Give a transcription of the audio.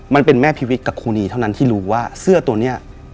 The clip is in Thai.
มันเป็นแม่พิวิตกับครูนีเท่านั้นที่รู้ว่าเสื้อตัวนี้